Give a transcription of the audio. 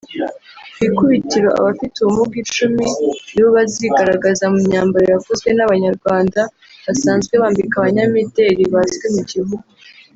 Ku ikubitiro abafite ubumuga icumi nibo bazigaragaza mu myambaro yakozwe n’Abanyarwanda basanzwe bambika abanyamideli bazwi mu gihugu